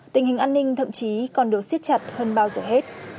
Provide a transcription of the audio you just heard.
tình hình an ninh thậm chí còn được siết chặt hơn bao giờ hết